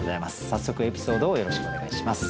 早速エピソードをよろしくお願いします。